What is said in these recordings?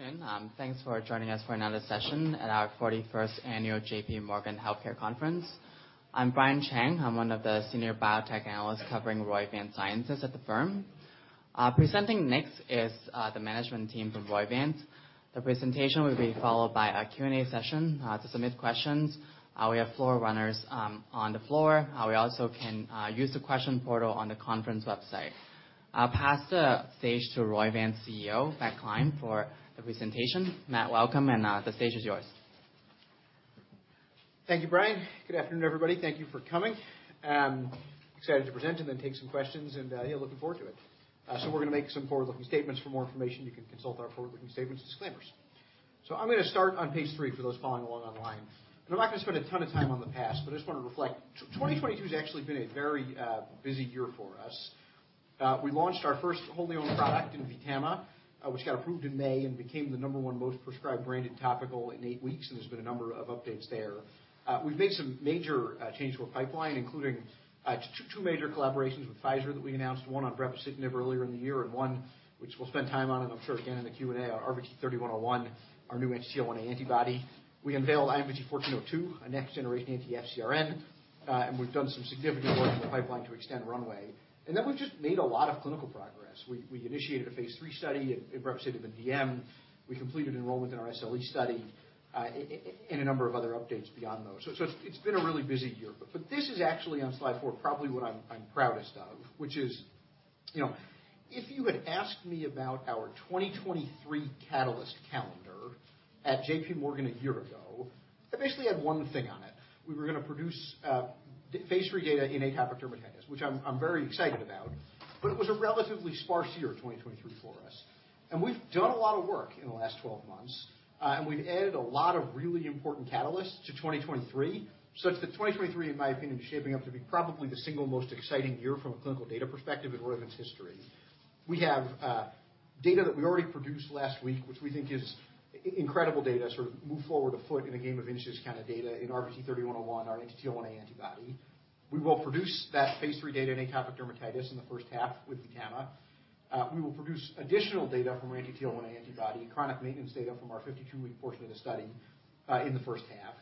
Afternoon. Thanks for joining us for another session at our 41st annual J.P. Morgan Healthcare Conference. I'm Brian Cheng. I'm one of the senior biotech analysts covering Roivant Sciences at the firm. Presenting next is the management team from Roivant. The presentation will be followed by a Q&A session. To submit questions, we have floor runners on the floor. We also can use the question portal on the conference website. I'll pass the stage to Roivant's CEO, Matt Gline, for the presentation. Matt, welcome, and the stage is yours. Thank you, Brian. Good afternoon, everybody. Thank you for coming. Excited to present and then take some questions and, yeah, looking forward to it. We're gonna make some forward-looking statements. For more information, you can consult our forward-looking statements disclaimers. I'm gonna start on page three for those following along online. I'm not gonna spend a ton of time on the past, but I just wanna reflect. 2022 has actually been a very busy year for us. We launched our first wholly owned product in VTAMA, which got approved in May and became the number one most prescribed branded topical in eight weeks, and there's been a number of updates there. We've made some major changes to our pipeline, including two major collaborations with Pfizer that we announced, one on brepocitinib earlier in the year and one which we'll spend time on and I'm sure again in the Q&A, RVT-3101, our new TL1A antibody. We unveiled IMVT-1402, a next-generation anti-FcRn, and we've done some significant work in the pipeline to extend runway. We've just made a lot of clinical progress. We initiated a phase III study in brepocitinib in DM. We completed enrollment in our SLE study, in a number of other updates beyond those. It's been a really busy year. This is actually on slide four, probably what I'm proudest of, which is, you know, if you had asked me about our 2023 catalyst calendar at J.P. Morgan one year ago, I basically had one thing on it. We were gonna produce phase III data in atopic dermatitis, which I'm very excited about, but it was a relatively sparse year, 2023 for us. We've done a lot of work in the last 12 months, and we've added a lot of really important catalysts to 2023, such that 2023, in my opinion, is shaping up to be probably the single most exciting year from a clinical data perspective in Roivant's history. We have data that we already produced last week, which we think is incredible data, sort of move forward a foot in a game of inches kind of data in RVT-3101, our anti-TL1A antibody. We will produce that phase III data in atopic dermatitis in the first half with VTAMA. We will produce additional data from our anti-TL1A antibody, chronic maintenance data from our 52-week portion of the study in the first half.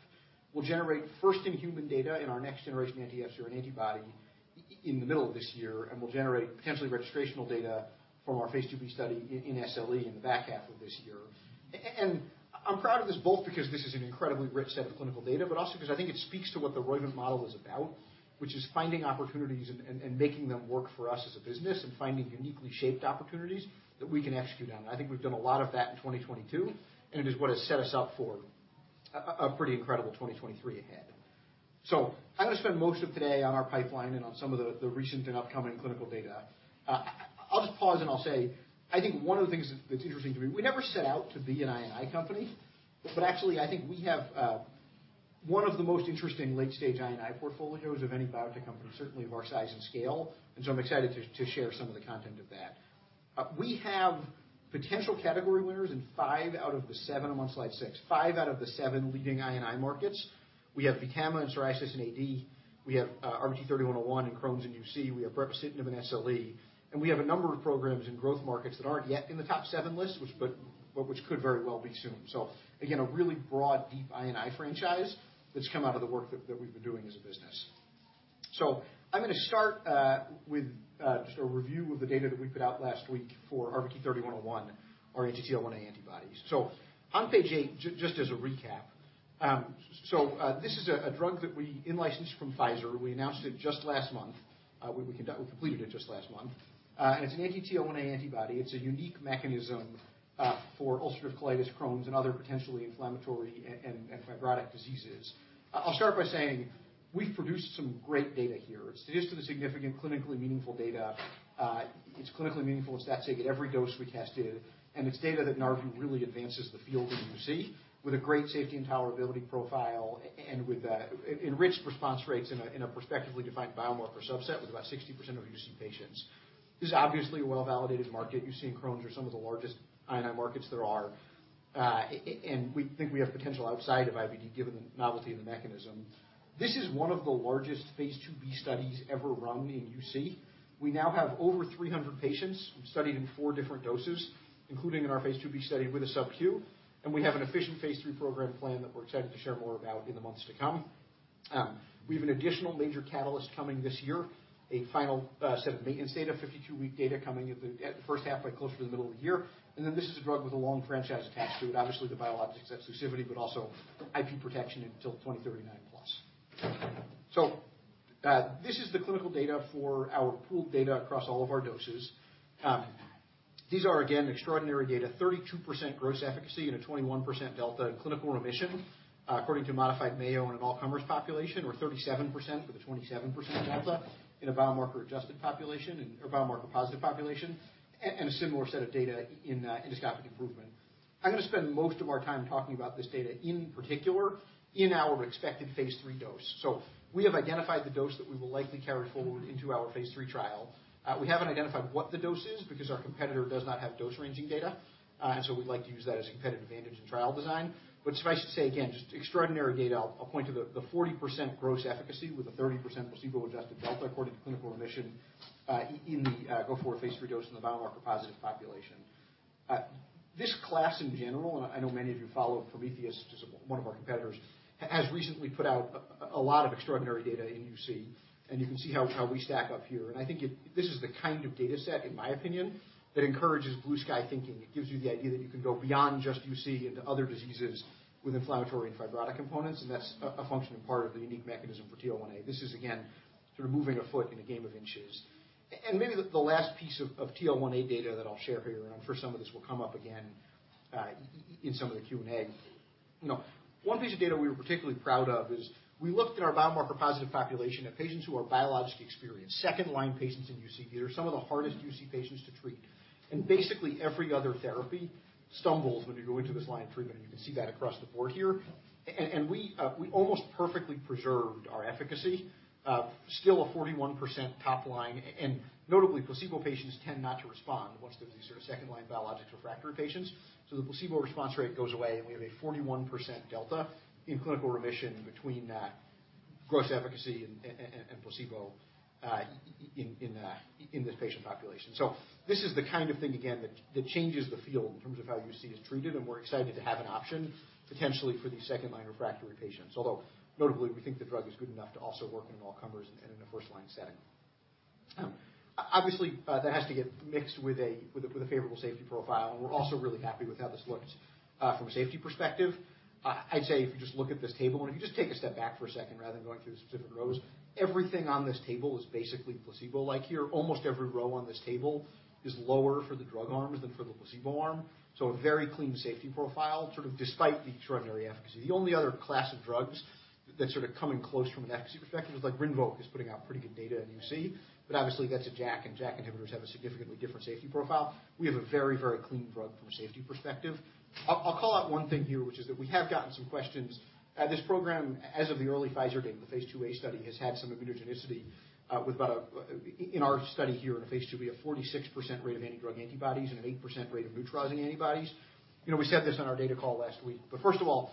We'll generate first in human data in our next generation anti-FcRn antibody in the middle of this year, and we'll generate potentially registrational data from our phase II-B study in SLE in the back half of this year. I'm proud of this both because this is an incredibly rich set of clinical data, but also 'cause I think it speaks to what the Roivant model is about, which is finding opportunities and making them work for us as a business and finding uniquely shaped opportunities that we can execute on. I think we've done a lot of that in 2022, and it is what has set us up for a pretty incredible 2023 ahead. I'm gonna spend most of today on our pipeline and on some of the recent and upcoming clinical data. I'll just pause and I'll say, I think one of the things that's interesting to me, we never set out to be an I&I company, but actually I think we have one of the most interesting late-stage I&I portfolios of any biotech company, certainly of our size and scale. I'm excited to share some of the content of that. We have potential category winners in five out of the seven... I'm on slide 6. 5 out of the seven leading I&I markets. We have VTAMA in psoriasis and AD. We have RVT-3101 in Crohn's and UC. We have brepocitinib in SLE. We have a number of programs in growth markets that aren't yet in the top seven list, which could very well be soon. Again, a really broad, deep I&I franchise that's come out of the work that we've been doing as a business. I'm gonna start with just a review of the data that we put out last week for RVT-3101, our anti-TL1A antibodies. On page eight, just as a recap. This is a drug that we in-licensed from Pfizer. We announced it just last month. We completed it just last month. It's an anti-TL1A antibody. It's a unique mechanism for ulcerative colitis, Crohn's, and other potentially inflammatory and fibrotic diseases. I'll start by saying we've produced some great data here. It's statistically significant, clinically meaningful data. It's clinically meaningful at that stage at every dose we tested, and it's data that in our view really advances the field in UC with a great safety and tolerability profile and with enriched response rates in a prospectively defined biomarker subset with about 60% of UC patients. This is obviously a well-validated market. UC and Crohn's are some of the largest I&I markets there are. We think we have potential outside of IBD, given the novelty of the mechanism. This is one of the phase II-B studies ever run in UC. We now have over 300 patients. We've studied in four different doses, including in phase II-B study with a Sub-Q, and we have an efficient phase III program plan that we're excited to share more about in the months to come. We have an additional major catalyst coming this year, a final set of maintenance data, 52-week data coming at the first half by closer to the middle of the year. This is a drug with a long franchise attached to it. Obviously, the biologics exclusivity, but also IP protection until 2039 plus. This is the clinical data for our pooled data across all of our doses. These are again, extraordinary data, 32% gross efficacy and a 21% delta in clinical remission, according to Modified Mayo in an all-comers population or 37% for the 27% delta in a biomarker-adjusted population or biomarker positive population, a similar set of data in endoscopic improvement. I'm gonna spend most of our time talking about this data, in particular in our expected phase III dose. We have identified the dose that we will likely carry forward into our phase III trial. We haven't identified what the dose is because our competitor does not have dose-ranging data, we'd like to use that as a competitive advantage in trial design. Suffice to say again, just extraordinary data. I'll point to the 40% gross efficacy with a 30% placebo-adjusted delta according to clinical remission, in the go-forward phase III dose in the biomarker positive population. This class in general, and I know many of you follow Prometheus, which is one of our competitors, has recently put out a lot of extraordinary data in UC, you can see how we stack up here. I think this is the kind of data set, in my opinion, that encourages blue-sky thinking. It gives you the idea that you can go beyond just UC into other diseases with inflammatory and fibrotic components. That's a functioning part of the unique mechanism for TL1A. This is again, sort of moving a foot in a game of inches. Maybe the last piece of TL1A data that I'll share here, and I'm sure some of this will come up again in some of the Q&A. You know, one piece of data we were particularly proud of is we looked at our biomarker-positive population of patients who are biologically experienced, second-line patients in UC. These are some of the hardest UC patients to treat. Basically, every other therapy stumbles when you go into this line of treatment, and you can see that across the board here. We almost perfectly preserved our efficacy, still a 41% top line. Notably, placebo patients tend not to respond once they're these sort of second-line biologics refractory patients. The placebo response rate goes away, and we have a 41% delta in clinical remission between gross efficacy and placebo, in this patient population. This is the kind of thing again that changes the field in terms of how UC is treated, and we're excited to have an option potentially for these second-line refractory patients. Notably, we think the drug is good enough to also work in all comers and in a first-line setting. Obviously, that has to get mixed with a, with a, with a favorable safety profile, and we're also really happy with how this looks, from a safety perspective. I'd say if you just look at this table, and if you just take a step back for a second rather than going through the specific rows, everything on this table is basically placebo-like here. Almost every row on this table is lower for the drug arms than for the placebo arm. A very clean safety profile, sort of despite the extraordinary efficacy. The only other class of drugs that's sort of coming close from an efficacy perspective is like RINVOQ is putting out pretty good data in UC. Obviously, that's a JAK, and JAK inhibitors have a significantly different safety profile. We have a very, very clean drug from a safety perspective. I'll call out one thing here, which is that we have gotten some questions. This program, as of the early Pfizer data, the phase IIa study has had some immunogenicity, in our study here in phase II-B, a 46% rate of antidrug antibodies and an 8% rate of neutralizing antibodies. You know, we said this on our data call last week. First of all,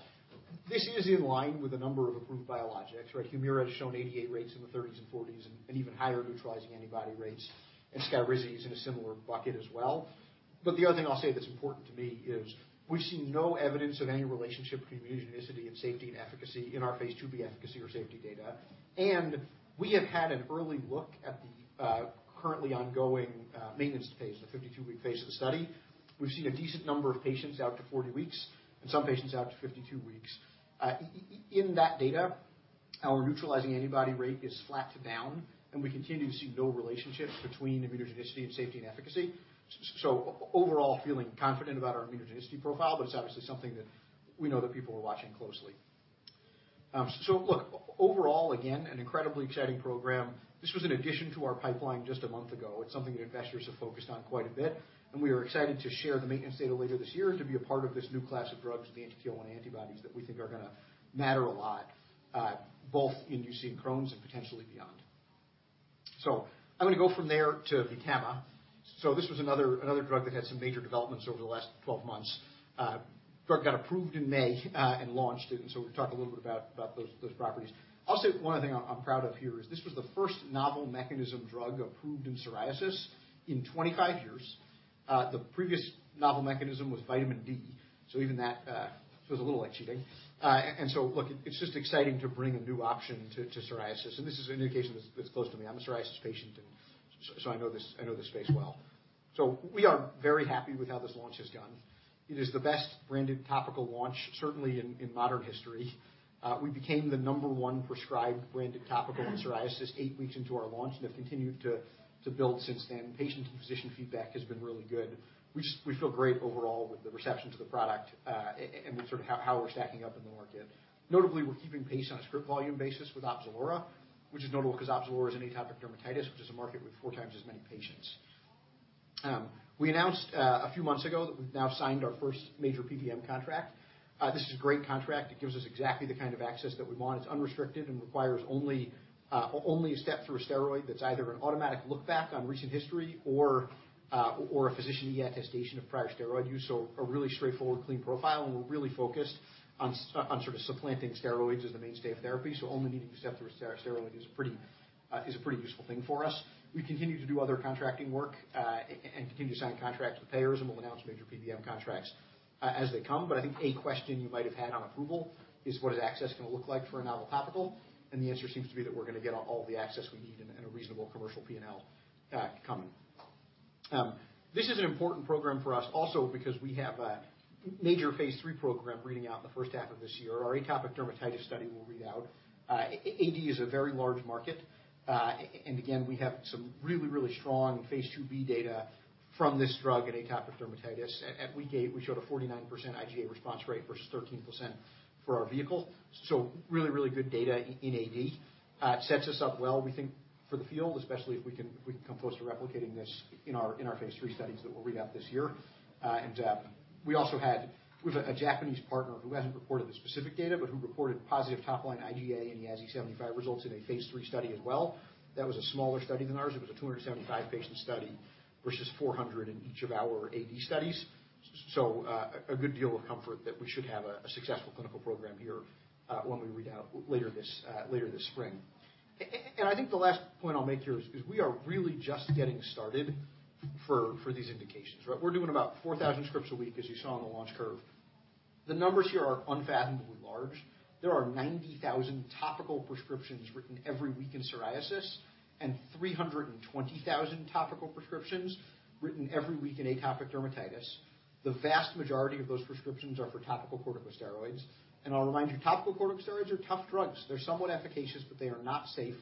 this is in line with a number of approved biologics, right? Humira has shown ADA rates in the 30s and 40s and even higher neutralizing antibody rates, and Skyrizi is in a similar bucket as well. The other thing I'll say that's important to me is we've seen no evidence of any relationship between immunogenicity and safety and efficacy in phase II-B efficacy or safety data. We have had an early look at the currently ongoing maintenance phase, the 52-week phase of the study. We've seen a decent number of patients out to 40 weeks and some patients out to 52 weeks. In that data, our neutralizing antibody rate is flat to down, and we continue to see no relationships between immunogenicity and safety and efficacy. Overall, feeling confident about our immunogenicity profile, but it's obviously something that we know that people are watching closely. Look, overall, again, an incredibly exciting program. This was an addition to our pipeline just a month ago. It's something that investors have focused on quite a bit. We are excited to share the maintenance data later this year and to be a part of this new class of drugs, the anti-TL1 antibodies, that we think are gonna matter a lot both in UC and Crohn's and potentially beyond. I'm gonna go from there to VTAMA. This was another drug that had some major developments over the last 12 months. Drug got approved in May and launched. We'll talk a little bit about those properties. I'll say one other thing I'm proud of here is this was the first novel mechanism drug approved in psoriasis in 25 years. The previous novel mechanism was vitamin D. Even that feels a little like cheating. Look, it's just exciting to bring a new option to psoriasis. This is an indication that's close to me. I'm a psoriasis patient, and so I know this, I know this space well. We are very happy with how this launch has gone. It is the best-branded topical launch, certainly in modern history. We became the number one prescribed branded topical in psoriasis eight weeks into our launch and have continued to build since then. Patient and physician feedback has been really good. We just, we feel great overall with the reception to the product, and with sort of how we're stacking up in the market. Notably, we're keeping pace on a script volume basis with OPZELURA, which is notable 'cause OPZELURA is an atopic dermatitis, which is a market with four times as many patients. We announced a few months ago that we've now signed our first major PBM contract. This is a great contract. It gives us exactly the kind of access that we want. It's unrestricted and requires only a step through a steroid that's either an automatic look back on recent history or a physician e-attestation of prior steroid use. A really straightforward, clean profile, and we're really focused on sort of supplanting steroids as the mainstay of therapy. Only needing to step through a steroid is a pretty useful thing for us. We continue to do other contracting work and continue to sign contracts with payers, and we'll announce major PBM contracts as they come. I think a question you might have had on approval is what is access gonna look like for a novel topical? The answer seems to be that we're gonna get all the access we need and a reasonable commercial P&L coming. This is an important program for us also because we have a major phase III program reading out in the first half of this year. Our atopic dermatitis study will read out. AD is a very large market. And again, we have some really, really phase II-B data from this drug in atopic dermatitis. At week eight, we showed a 49% IGA response rate versus 13% for our vehicle. Really, really good data in AD. It sets us up well, we think, for the field, especially if we can, if we can come close to replicating this in our phase III studies that we'll read out this year. We have a Japanese partner who hasn't reported the specific data but who reported positive top-line IGA in the EASI75 results in a phase III study as well. That was a smaller study than ours. It was a 275-patient study versus 400 in each of our AD studies. A good deal of comfort that we should have a successful clinical program here, when we read out later this spring. I think the last point I'll make here is, we are really just getting started for these indications, right? We're doing about 4,000 scripts a week, as you saw on the launch curve. The numbers here are unfathomably large. There are 90,000 topical prescriptions written every week in psoriasis and 320,000 topical prescriptions written every week in atopic dermatitis. The vast majority of those prescriptions are for topical corticosteroids. I'll remind you, topical corticosteroids are tough drugs. They're somewhat efficacious, but they are not safe.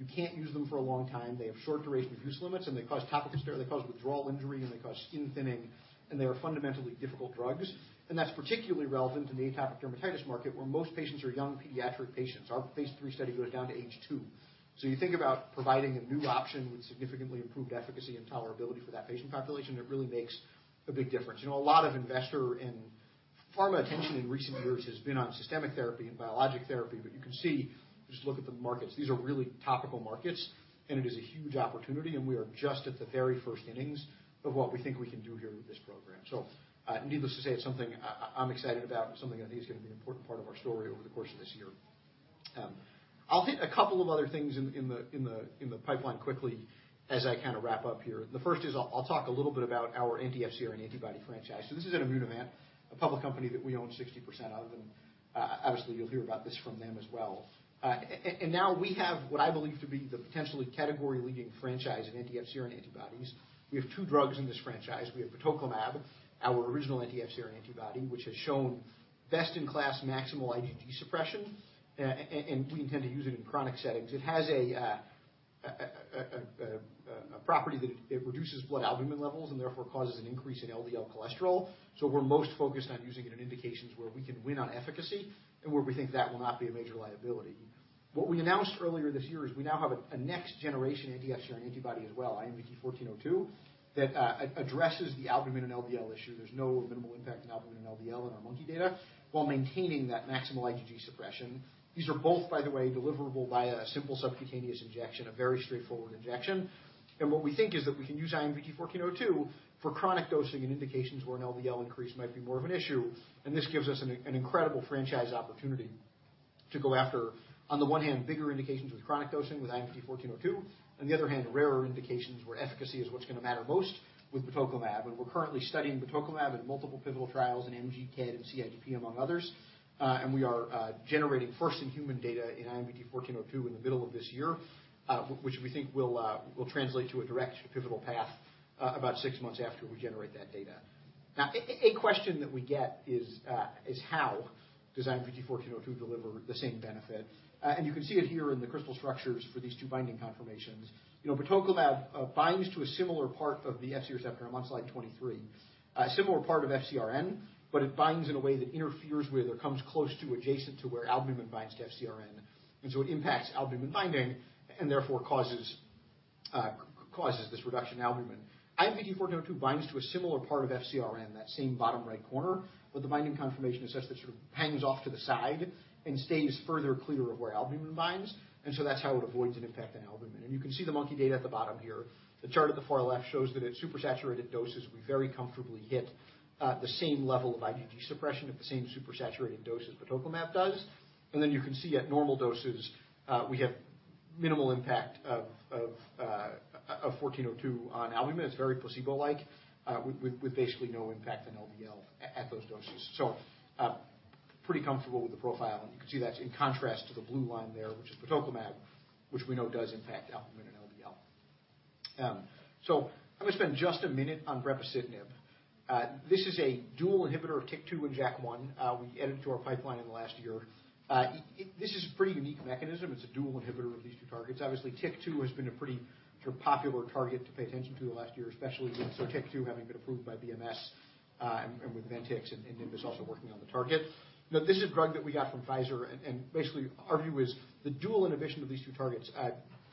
You can't use them for a long time. They have short duration of use limits, they cause withdrawal injury, they cause skin thinning, they are fundamentally difficult drugs. That's particularly relevant in the atopic dermatitis market, where most patients are young pediatric patients. Our phase III study goes down to age two. You think about providing a new option with significantly improved efficacy and tolerability for that patient population, it really makes a big difference. You know, a lot of investor and pharma attention in recent years has been on systemic therapy and biologic therapy, but you can see, just look at the markets. These are really topical markets, and it is a huge opportunity, and we are just at the very first innings of what we think we can do here with this program. Needless to say, it's something I'm excited about and something I think is gonna be an important part of our story over the course of this year. I'll hit a couple of other things in the pipeline quickly as I kinda wrap up here. The first is I'll talk a little bit about our anti-FcRn antibody franchise. This is at Immunovant, a public company that we own 60% of, and obviously you'll hear about this from them as well. And now we have what I believe to be the potentially category-leading franchise in anti-FcRn antibodies. We have two drugs in this franchise. We have batoclimab, our original anti-FcRn antibody, which has shown best-in-class maximal IgG suppression. And we intend to use it in chronic settings. It has a property that it reduces blood albumin levels and therefore causes an increase in LDL cholesterol. We're most focused on using it in indications where we can win on efficacy and where we think that will not be a major liability. What we announced earlier this year is we now have a next generation anti-FcRn antibody as well, IMVT-1402, that addresses the albumin and LDL issue. There's no minimal impact in albumin and LDL in our monkey data while maintaining that maximal IgG suppression. These are both, by the way, deliverable by a simple subcutaneous injection, a very straightforward injection. What we think is that we can use IMVT-1402 for chronic dosing and indications where an LDL increase might be more of an issue. This gives us an incredible franchise opportunity to go after, on the one hand, bigger indications with chronic dosing with IMVT-1402, on the other hand, rarer indications where efficacy is what's gonna matter most with batoclimab. We're currently studying batoclimab in multiple pivotal trials in MG, GD, and CIDP, among others. We are generating first-in-human data in IMVT-1402 in the middle of this year, which we think will translate to a direct pivotal path about six months after we generate that data. Now, a question that we get is how does IMVT-1402 deliver the same benefit? You can see it here in the crystal structures for these two binding confirmations. You know, batoclimab binds to a similar part of the Fc receptor. I'm on slide 23. A similar part of FcRn, it binds in a way that interferes with or comes close to adjacent to where albumin binds to FcRn. It impacts albumin binding and therefore causes this reduction in albumin. IMVT-1402 binds to a similar part of FcRn, that same bottom right corner, but the binding confirmation is such that sort of hangs off to the side and stays further clear of where albumin binds. That's how it avoids an impact on albumin. You can see the monkey data at the bottom here. The chart at the far left shows that at supersaturated doses, we very comfortably hit the same level of IgG suppression at the same supersaturated dose as batoclimab does. You can see at normal doses, we have minimal impact of 1402 on albumin. It's very placebo-like, with basically no impact on LDL at those doses. Pretty comfortable with the profile. You can see that's in contrast to the blue line there, which is Pitokolab, which we know does impact albumin and LDL. I'm gonna spend just a minute on brepocitinib. This is a dual inhibitor of TYK2 and JAK1, we added to our pipeline in the last year. This is a pretty unique mechanism. It's a dual inhibitor of these two targets. Obviously, TYK2 has been a pretty sort of popular target to pay attention to the last year, especially with sort of TYK2 having been approved by BMS, and with Ventyx and Nimbus also working on the target. Now, this is a drug that we got from Pfizer, and basically our view is the dual inhibition of these two targets.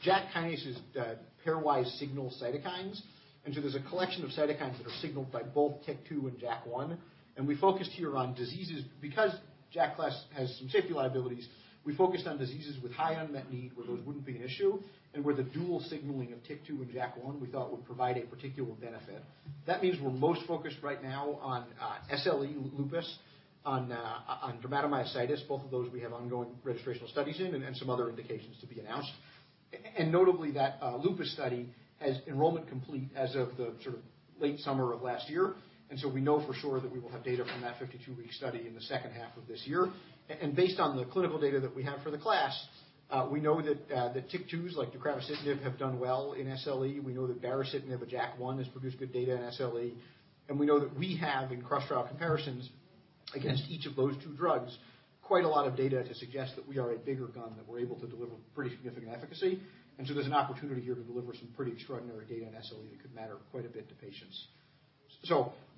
JAK kinase is the pairwise signal cytokines. There's a collection of cytokines that are signaled by both TYK2 and JAK1. We focused here on diseases because JAK class has some safety liabilities. We focused on diseases with high unmet need where those wouldn't be an issue and where the dual signaling of TYK2 and JAK1 we thought would provide a particular benefit. That means we're most focused right now on SLE lupus, on dermatomyositis. Both of those we have ongoing registrational studies in and some other indications to be announced. Notably, that lupus study has enrollment complete as of the sort of late summer of last year. We know for sure that we will have data from that 52-week study in the second half of this year. Based on the clinical data that we have for the class, we know that the TYK2s like deucravacitinib have done well in SLE. We know that baricitinib, a JAK1, has produced good data in SLE, and we know that we have in cross-trial comparisons against each of those two drugs quite a lot of data to suggest that we are a bigger gun, that we're able to deliver pretty significant efficacy. There's an opportunity here to deliver some pretty extraordinary data in SLE that could matter quite a bit to patients.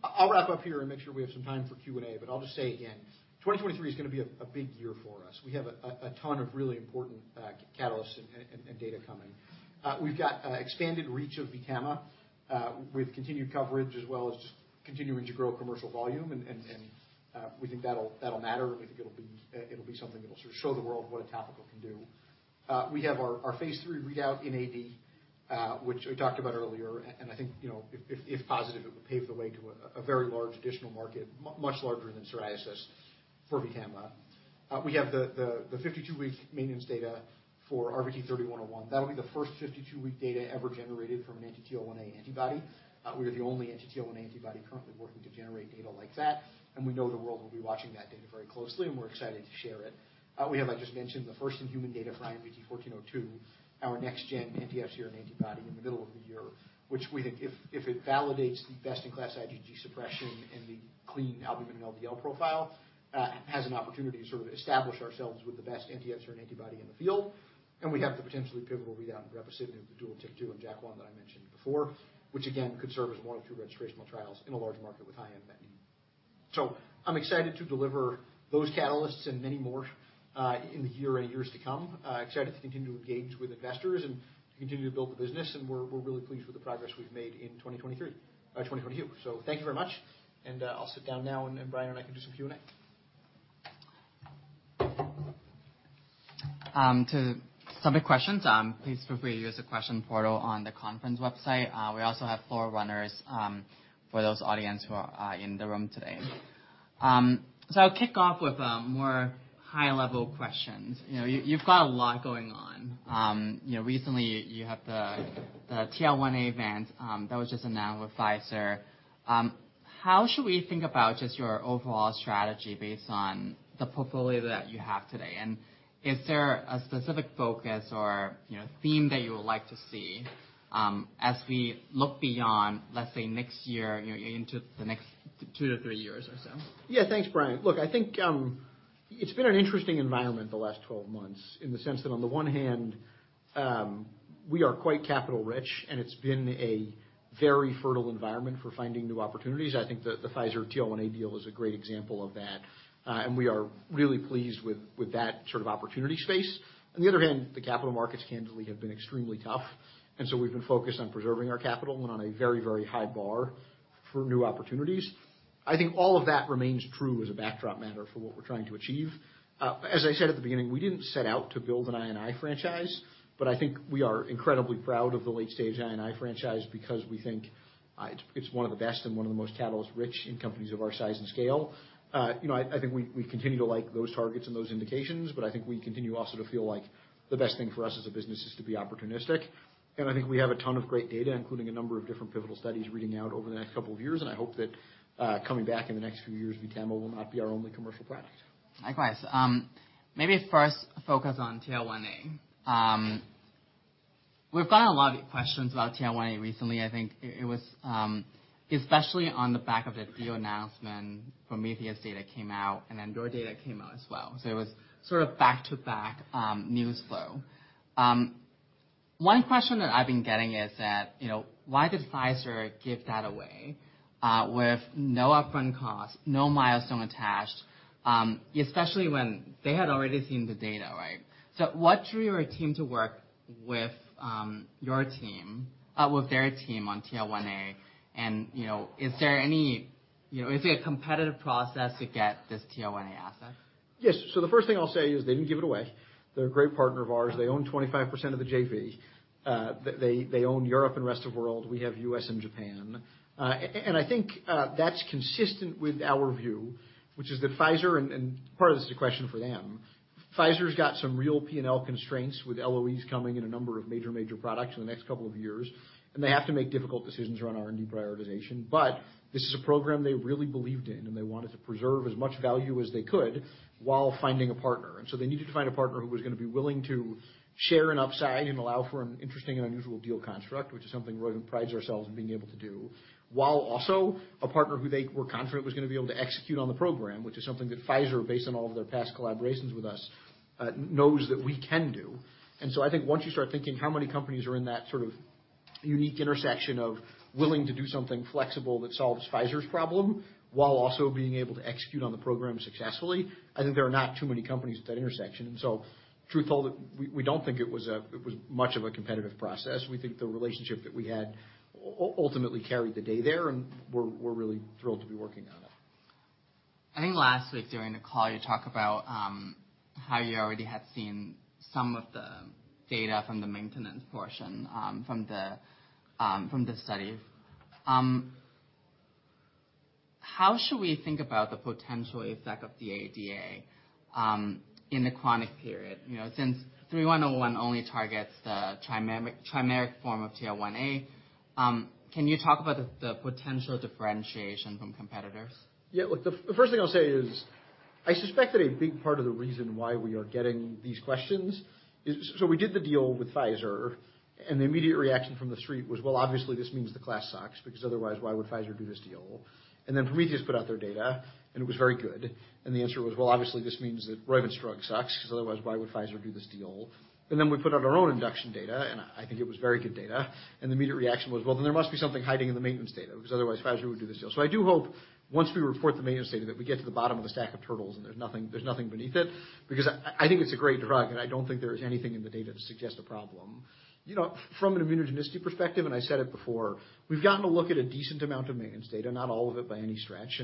I'll wrap up here and make sure we have some time for Q&A, but I'll just say again, 2023 is gonna be a big year for us. We have a ton of really important catalysts and data coming. We've got expanded reach of VTAMA with continued coverage as well as continuing to grow commercial volume. We think that'll matter. We think it'll be something that'll sort of show the world what a topical can do. We have our phase III readout in AD which we talked about earlier. I think, you know, if positive, it would pave the way to a very large additional market, much larger than psoriasis for VTAMA. We have the 52-week maintenance data for RVT-3101. That'll be the first 52-week data ever generated from an anti-TL1A antibody. We are the only anti-TL1A antibody currently working to generate data like that, and we know the world will be watching that data very closely, and we're excited to share it. We have, I just mentioned, the first in human data for IMVT-1402, our next gen anti-FcRn antibody in the middle of the year, which we think if it validates the best in class IgG suppression and the clean albumin and LDL profile, has an opportunity to sort of establish ourselves with the best anti-FcRn antibody in the field. We have the potentially pivotal readout in brepocitinib, the dual TYK2 and JAK1 that I mentioned before, which again could serve as one of two registrational trials in a large market with high unmet need. I'm excited to deliver those catalysts and many more in the year and years to come. Excited to continue to engage with investors and to continue to build the business, and we're really pleased with the progress we've made in 2023, 2022. Thank you very much, and, I'll sit down now and then Brian and I can do some Q&A. To submit questions, please feel free to use the question portal on the conference website. We also have floor runners for those audience who are in the room today. I'll kick off with more high-level questions. You know, you've got a lot going on. You know, recently you have the TL1A event that was just announced with Pfizer. How should we think about just your overall strategy based on the portfolio that you have today? Is there a specific focus or, you know, theme that you would like to see as we look beyond, let's say, next year, you know, into the next two to three years or so? Yeah. Thanks, Brian. Look, I think, it's been an interesting environment the last 12 months in the sense that on the one hand, we are quite capital rich, and it's been a very fertile environment for finding new opportunities. I think the Pfizer TL1A deal is a great example of that. We are really pleased with that sort of opportunity space. On the other hand, the capital markets candidly have been extremely tough, and so we've been focused on preserving our capital and on a very high bar for new opportunities. I think all of that remains true as a backdrop matter for what we're trying to achieve. As I said at the beginning, we didn't set out to build an I&I franchise, I think we are incredibly proud of the late-stage I&I franchise because we think it's one of the best and one of the most catalyst rich in companies of our size and scale. You know, I think we continue to like those targets and those indications, I think we continue also to feel like the best thing for us as a business is to be opportunistic. I think we have a ton of great data, including a number of different pivotal studies reading out over the next couple of years. I hope that coming back in the next few years, VTAMA will not be our only commercial product. Likewise. Maybe first focus on TL1A. We've gotten a lot of questions about TL1A recently. I think it was especially on the back of the deal announcement, Prometheus data came out and then your data came out as well. It was sort of back-to-back news flow. One question that I've been getting is that, you know, why did Pfizer give that away with no upfront costs, no milestone attached, especially when they had already seen the data, right? What drew your team to work with their team on TL1A and, you know, is there any, you know, is it a competitive process to get this TL1A asset? Yes. The first thing I'll say is they didn't give it away. They're a great partner of ours. They own 25% of the JV. They own Europe and rest of world. We have U.S. and Japan. I think that's consistent with our view, which is that Pfizer, and part of this is a question for them. Pfizer's got some real P&L constraints with LOEs coming in a number of major products in the next couple of years, and they have to make difficult decisions around R&D prioritization. This is a program they really believed in, and they wanted to preserve as much value as they could while finding a partner. They needed to find a partner who was gonna be willing to share an upside and allow for an interesting and unusual deal construct, which is something we pride ourselves in being able to do, while also a partner who they were confident was gonna be able to execute on the program, which is something that Pfizer, based on all of their past collaborations with us, knows that we can do. I think once you start thinking how many companies are in that sort of unique intersection of willing to do something flexible that solves Pfizer's problem while also being able to execute on the program successfully, I think there are not too many companies at that intersection. Truth told, we don't think it was much of a competitive process. We think the relationship that we had ultimately carried the day there, and we're really thrilled to be working on it. I think last week during the call, you talked about how you already had seen some of the data from the maintenance portion from the from the study. How should we think about the potential effect of the ADA in the chronic period? You know, since 3101 only targets the trimeric form of TL1A, can you talk about the potential differentiation from competitors? Yeah. Look, the first thing I'll say is I suspect that a big part of the reason why we are getting these questions is. We did the deal with Pfizer, the immediate reaction from the street was, "Well, obviously this means the class sucks, because otherwise why would Pfizer do this deal?" Prometheus put out their data, it was very good. The answer was, "Well, obviously this means that Roivant's drug sucks, because otherwise why would Pfizer do this deal?" We put out our own induction data, I think it was very good data. The immediate reaction was, "Well, then there must be something hiding in the maintenance data, because otherwise Pfizer would do this deal." I do hope once we report the maintenance data that we get to the bottom of the stack of turtles, and there's nothing beneath it, because I think it's a great drug, and I don't think there is anything in the data to suggest a problem. You know, from an immunogenicity perspective, and I said it before, we've gotten a look at a decent amount of maintenance data, not all of it by any stretch.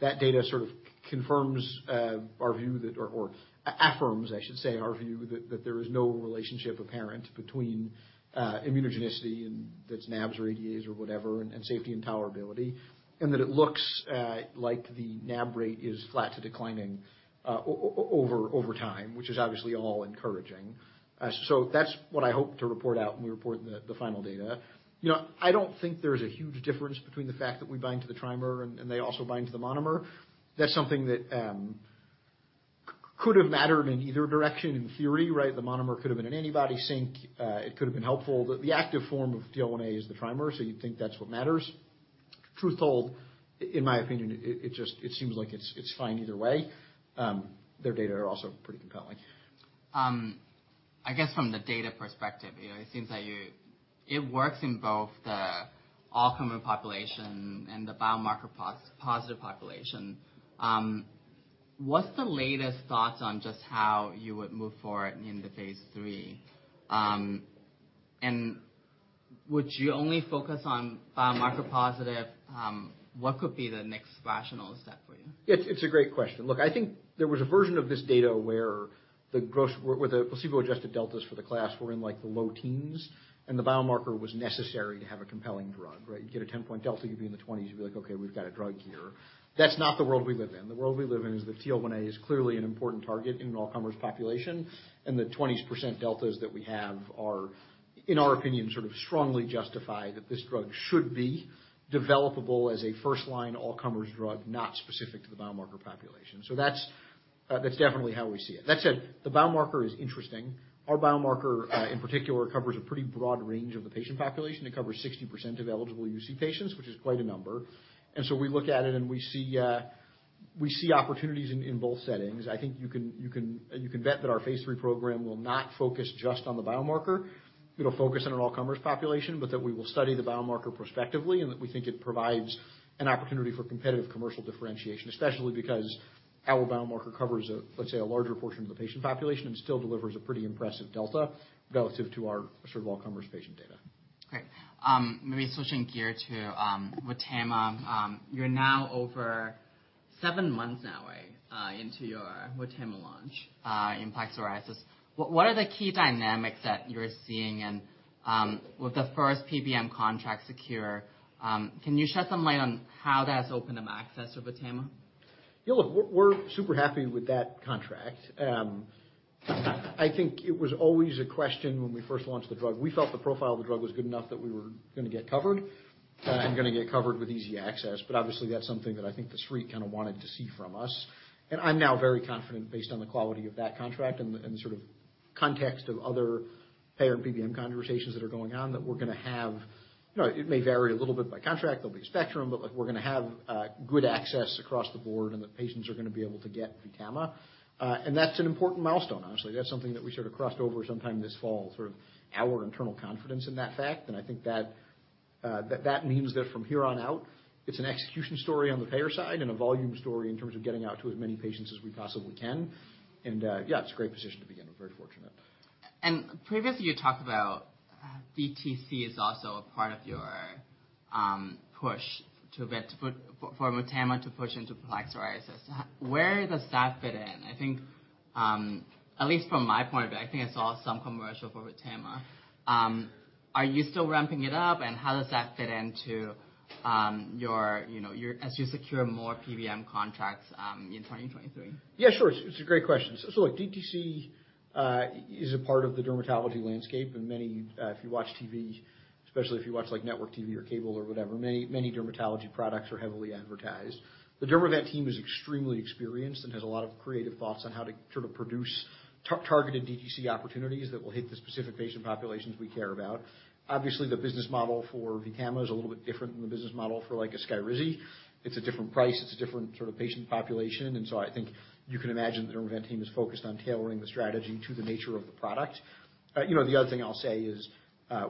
That data sort of confirms our view that or affirms, I should say, our view that there is no relationship apparent between immunogenicity and that's NAB's radius or whatever, and safety and tolerability, and that it looks like the NAB rate is flat to declining over time, which is obviously all encouraging. That's what I hope to report out when we report the final data. You know, I don't think there's a huge difference between the fact that we bind to the trimer and they also bind to the monomer. That's something that could have mattered in either direction in theory, right? The monomer could have been an antibody sync. It could have been helpful. The active form of TL1A is the trimer, you'd think that's what matters. Truth told, in my opinion, it just, it seems like it's fine either way. Their data are also pretty compelling. I guess from the data perspective, you know, it seems like It works in both the all-comer population and the biomarker positive population. What's the latest thoughts on just how you would move forward into phase III? Would you only focus on biomarker positive? What could be the next rational step for you? It's a great question. Look, I think there was a version of this data where the placebo-adjusted deltas for the class were in, like, the low teens, and the biomarker was necessary to have a compelling drug, right? You get a 10-point delta, you'd be in the twenties, you'd be like, "Okay, we've got a drug here." That's not the world we live in. The world we live in is that TL1A is clearly an important target in an all-comers population, and the 20% deltas that we have are, in our opinion, sort of strongly justify that this drug should be developable as a first-line all-comers drug, not specific to the biomarker population. That's definitely how we see it. That said, the biomarker is interesting. Our biomarker, in particular, covers a pretty broad range of the patient population. It covers 60% of eligible UC patients, which is quite a number. We look at it and we see, we see opportunities in both settings. I think you can bet that our phase III program will not focus just on the biomarker. It'll focus on an all-comers population, but that we will study the biomarker prospectively and that we think it provides an opportunity for competitive commercial differentiation, especially because our biomarker covers, let's say, a larger portion of the patient population and still delivers a pretty impressive delta relative to our sort of all-comers patient data. Great. Maybe switching gear to VTAMA. You're now over seven months now, right, into your VTAMA launch in plaque psoriasis. What are the key dynamics that you're seeing? With the first PBM contract secure, can you shed some light on how that's opened up access for VTAMA? Yeah, look, we're super happy with that contract. I think it was always a question when we first launched the drug. We felt the profile of the drug was good enough that we were gonna get covered and gonna get covered with easy access. Obviously, that's something that I think the street kinda wanted to see from us. I'm now very confident based on the quality of that contract and the sort of context of other payer PBM conversations that are going on, that we're gonna have. You know, it may vary a little bit by contract. There'll be a spectrum, but, like, we're gonna have good access across the board and the patients are gonna be able to get VTAMA. That's an important milestone, honestly. That's something that we sort of crossed over sometime this fall, sort of our internal confidence in that fact. I think that means that from here on out, it's an execution story on the payer side and a volume story in terms of getting out to as many patients as we possibly can. Yeah, it's a great position to be in. We're very fortunate. Previously you talked about DTC is also a part of your push for VTAMA to push into plaque psoriasis. Where does that fit in? I think, at least from my point of view, I think I saw some commercial for VTAMA. Are you still ramping it up? How does that fit into your, you know, as you secure more PBM contracts in 2023? Yeah, sure. It's a great question. Look, DTC is a part of the dermatology landscape, and many, if you watch TV, especially if you watch, like, network TV or cable or whatever, many dermatology products are heavily advertised. The Dermavant team is extremely experienced and has a lot of creative thoughts on how to sort of produce targeted DTC opportunities that will hit the specific patient populations we care about. Obviously, the business model for VTAMA is a little bit different than the business model for like a SKYRIZI. It's a different price, it's a different sort of patient population. I think you can imagine the Dermavant team is focused on tailoring the strategy to the nature of the product. you know, the other thing I'll say is,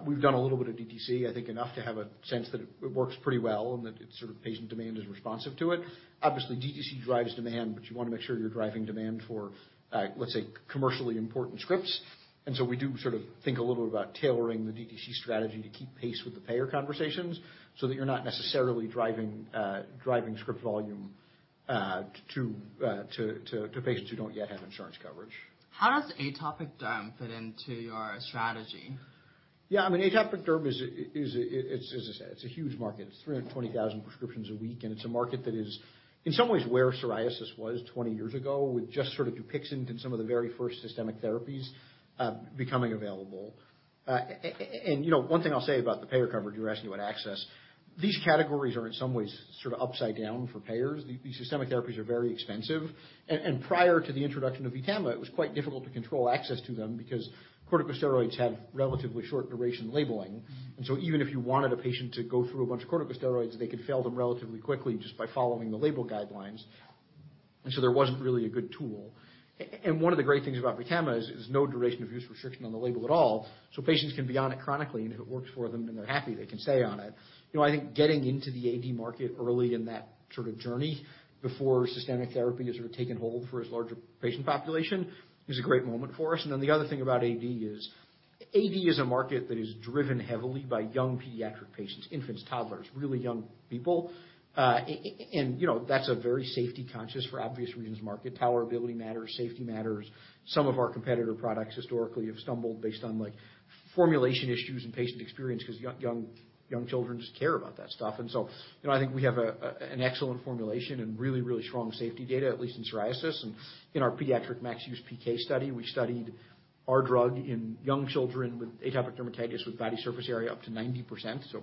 we've done a little bit of DTC, I think enough to have a sense that it works pretty well and that it sort of patient demand is responsive to it. Obviously, DTC drives demand, but you wanna make sure you're driving demand for, let's say, commercially important scripts. We do sort of think a little bit about tailoring the DTC strategy to keep pace with the payer conversations so that you're not necessarily driving script volume to patients who don't yet have insurance coverage. How does atopic derm fit into your strategy? I mean, atopic derm is, as I said, it's a huge market. It's 320,000 prescriptions a week, and it's a market that is in some ways where psoriasis was 20 years ago, with just sort of DUPIXENT and some of the very first systemic therapies, becoming available. You know, one thing I'll say about the payer coverage, you were asking about access. These categories are in some ways sort of upside down for payers. These systemic therapies are very expensive. Prior to the introduction of VTAMA, it was quite difficult to control access to them because corticosteroids have relatively short duration labeling. Even if you wanted a patient to go through a bunch of corticosteroids, they could fail them relatively quickly just by following the label guidelines. There wasn't really a good tool. One of the great things about VTAMA is no duration of use restriction on the label at all, so patients can be on it chronically, and if it works for them and they're happy, they can stay on it. You know, I think getting into the AD market early in that sort of journey before systemic therapy has sort of taken hold for as large a patient population is a great moment for us. The other thing about AD is, AD is a market that is driven heavily by young pediatric patients, infants, toddlers, really young people. You know, that's a very safety conscious for obvious reasons market. Tolerability matters, safety matters. Some of our competitor products historically have stumbled based on, like formulation issues and patient experience because young children care about that stuff. You know, I think we have an excellent formulation and really strong safety data, at least in psoriasis. In our pediatric max use PK study, we studied our drug in young children with atopic dermatitis with body surface area up to 90%.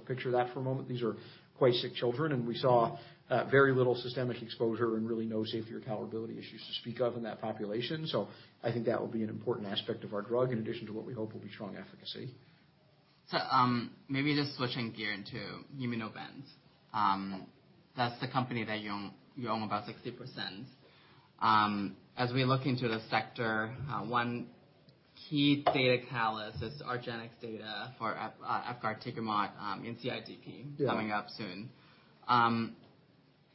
Picture that for a moment. These are quite sick children, and we saw very little systemic exposure and really no safety or tolerability issues to speak of in that population. I think that will be an important aspect of our drug in addition to what we hope will be strong efficacy. Maybe just switching gear into Immunovant. That's the company that you own, you own about 60%. As we look into the sector, one key data catalyst is argenx data for upregulator efgartigimod in CIDP. Yeah. coming up soon.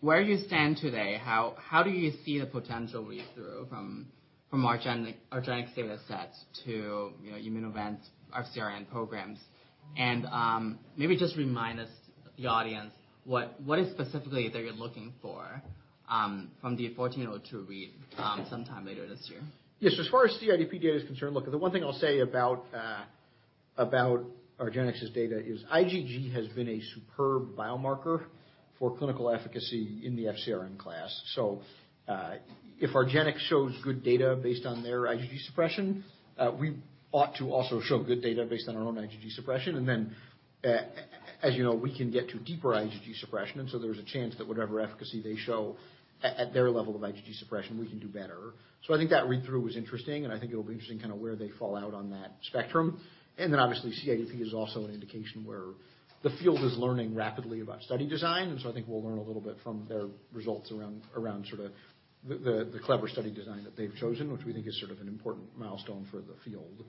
Where you stand today, how do you see the potential read-through from argenx data sets to, you know, Immunovant's FcRn programs? Maybe just remind us, the audience, what is specifically that you're looking for from the 1402 read sometime later this year? Yes. As far as CIDP data is concerned, look, the one thing I'll say about about argenx's data is IgG has been a superb biomarker for clinical efficacy in the FcRn class. If argenx shows good data based on their IgG suppression, we ought to also show good data based on our own IgG suppression. As you know, we can get to deeper IgG suppression, and so there's a chance that whatever efficacy they show at their level of IgG suppression, we can do better. I think that read-through was interesting, and I think it'll be interesting kind of where they fall out on that spectrum. Obviously, CIDP is also an indication where the field is learning rapidly about study design. I think we'll learn a little bit from their results around sort of the clever study design that they've chosen, which we think is sort of an important milestone for the field.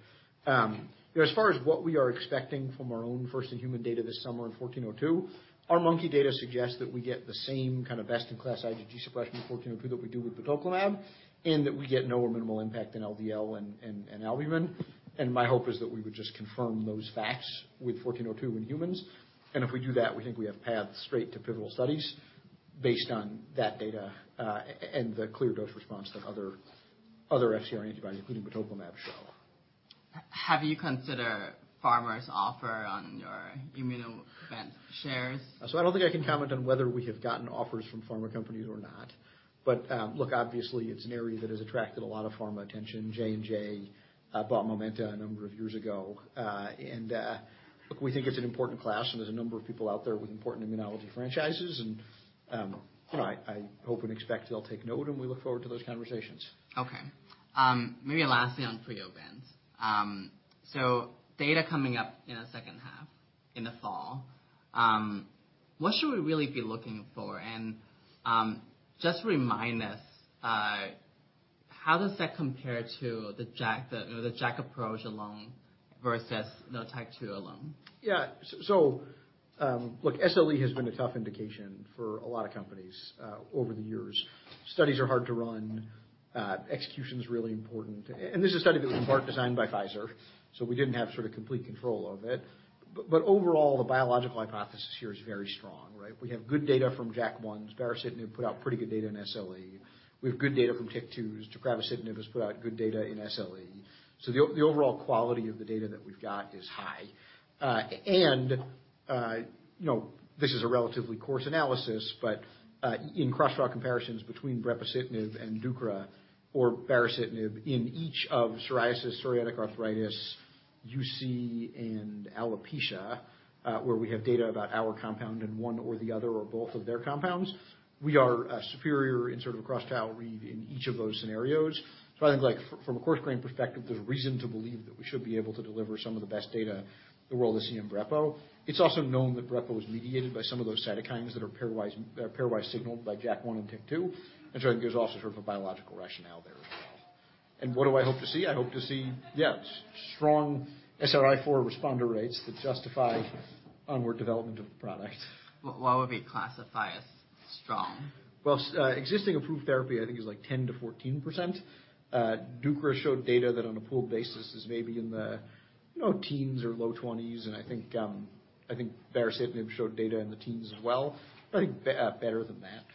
As far as what we are expecting from our own first in human data this summer in 1402, our monkey data suggests that we get the same kind of best in class IgG suppression in 1402 that we do with batoclimab, and that we get no or minimal impact in LDL and albumin. My hope is that we would just confirm those facts with 1402 in humans. If we do that, we think we have paths straight to pivotal studies based on that data, and the clear dose response that other FcRn antibodies, including batoclimab, show. Have you considered pharma's offer on your Immunovant shares? I don't think I can comment on whether we have gotten offers from pharma companies or not. Look, obviously it's an area that has attracted a lot of pharma attention. J&J bought Momenta a number of years ago. Look, we think it's an important class and there's a number of people out there with important immunology franchises and, you know, I hope and expect they'll take note, and we look forward to those conversations. Okay. Maybe lastly on Priovant. Data coming up in the second half, in the fall. What should we really be looking for? Just remind us how does that compare to the JAK approach alone versus the type two alone? Look, SLE has been a tough indication for a lot of companies over the years. Studies are hard to run. Execution's really important. And this is a study that was in part designed by Pfizer, so we didn't have sort of complete control of it. But overall, the biological hypothesis here is very strong, right? We have good data from JAK1. baricitinib put out pretty good data in SLE. We have good data from TYK2's. Deucravacitinib has put out good data in SLE. The overall quality of the data that we've got is high. You know, this is a relatively coarse analysis, but in cross trial comparisons between Brepocitinib and deucravacitinib or baricitinib in each of psoriasis, psoriatic arthritis, UC and alopecia, where we have data about our compound and one or the other or both of their compounds, we are superior in sort of a cross trial read in each of those scenarios. I think like from a coarse grain perspective, there's reason to believe that we should be able to deliver some of the best data the world has seen in Brepo. It's also known that Brepo is mediated by some of those cytokines that are pairwise signaled by JAK1 and TYK2. I think there's also sort of a biological rationale there as well. What do I hope to see? I hope to see, yeah, strong SRI-4 responder rates that justify onward development of the product. What would we classify as strong? Well, existing approved therapy, I think, is like 10%-14%. deucravacitinib showed data that on a pooled basis is maybe in the, you know, teens or low 20s. I think, I think baricitinib showed data in the teens as well. I think better than that.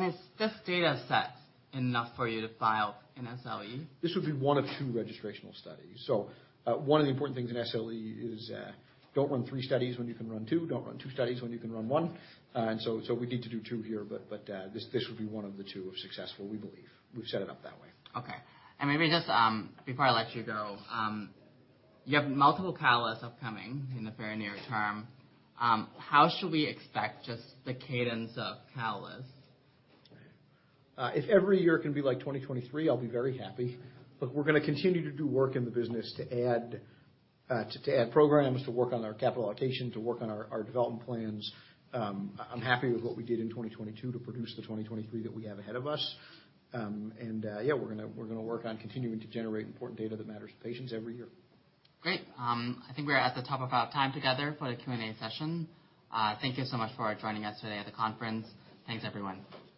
Is this data set enough for you to file in SLE? This would be one of two registrational studies. One of the important things in SLE is, don't run three studies when you can run two. Don't run two studies when you can run one. So we need to do two here, but this would be one of the two if successful, we believe. We've set it up that way. Okay. Maybe just, before I let you go, you have multiple catalysts upcoming in the very near term. How should we expect just the cadence of catalysts? If every year can be like 2023, I'll be very happy. We're gonna continue to do work in the business to add programs, to work on our capital allocation, to work on our development plans. I'm happy with what we did in 2022 to produce the 2023 that we have ahead of us. Yeah, we're gonna work on continuing to generate important data that matters to patients every year. Great. I think we're at the top of our time together for the Q&A session. Thank you so much for joining us today at the conference. Thanks, everyone.